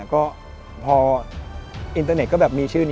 ของอินเทอร์เน็ตเขามีชื่อนี้